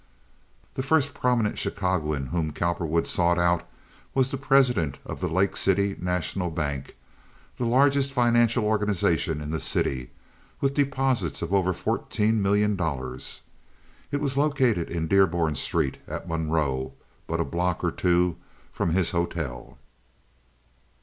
The first prominent Chicagoan whom Cowperwood sought out was the president of the Lake City National Bank, the largest financial organization in the city, with deposits of over fourteen million dollars. It was located in Dearborn Street, at Munroe, but a block or two from his hotel.